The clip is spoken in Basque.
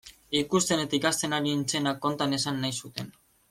Ikusten eta ikasten ari nintzena konta nezan nahi zuten.